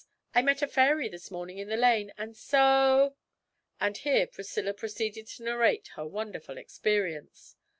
I met a fairy this morning in the lane, and so ' and here Priscilla proceeded to narrate her wonderful experience.